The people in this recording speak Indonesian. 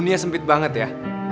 kita sempit banget ya